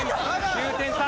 ９点差。